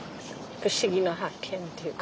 不思議な発見っていうか。